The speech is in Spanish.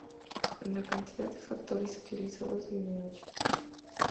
La cantidad de factores utilizados disminuye.